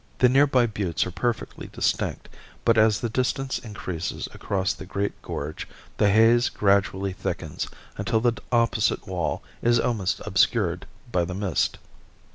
The nearby buttes are perfectly distinct, but as the distance increases across the great gorge the haze gradually thickens until the opposite wall is almost obscured by the mist.